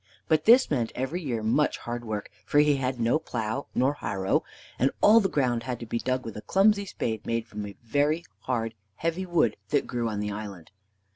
But this meant every year much hard work, for he had no plow nor harrow, and all the ground had to be dug with a clumsy spade, made from a very hard, heavy wood that grew on the island.